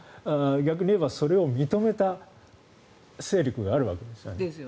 逆に言えばそれを認めた勢力があるわけですよね。